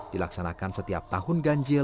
dilaksanakan setiap tahun ganjil